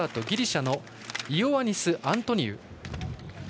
ギリシャのイオアニス・アントニウ。